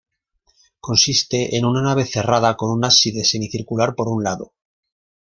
Consiste en una nave cerrada con un ábside semicircular por un lado.